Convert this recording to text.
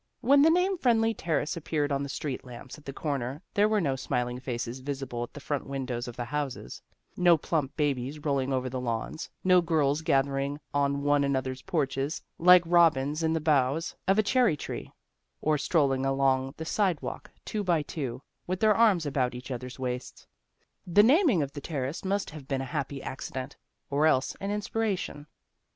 When the name Friendly Terrace appeared on the street lamps at the corner there were no smiling faces visible at the front windows of the houses, no plump babies roll ing over the lawns, no girls gathering on one another's porches, like robins in the boughs l 2 THE GIRLS OF FRIENDLY TERRACE of a cherry tree, or strolling along the sidewalk, two by two, with their arms about each other's waists. The naming of the Terrace must have been a happy accident, or else an inspiration.